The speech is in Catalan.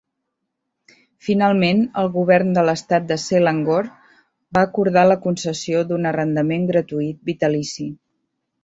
Finalment el govern de l'estat de Selangor va acordar la concessió d'un arrendament gratuït vitalici.